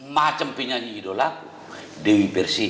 macem penyanyi idol aku dewi persih